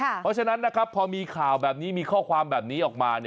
เพราะฉะนั้นนะครับพอมีข่าวแบบนี้มีข้อความแบบนี้ออกมา